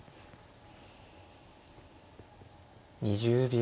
２０秒。